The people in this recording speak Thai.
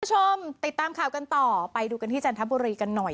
คุณผู้ชมติดตามข่าวกันต่อไปดูกันที่จันทบุรีกันหน่อย